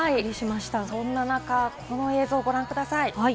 そんな中、この映像をご覧ください。